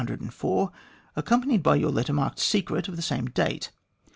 104, accompanied by your letter marked "Secret" of the same date.